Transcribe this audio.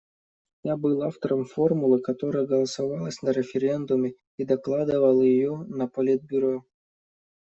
Я был автором формулы, которая голосовалась на референдуме и докладывал её на Политбюро.